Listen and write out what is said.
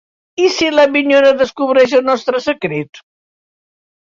I si la minyona descobreix el nostre secret?